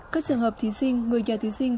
các trường hợp thí sinh người nhà thí sinh